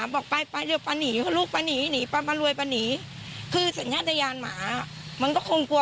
พอพี่เดินมานิดนึงจากหมามา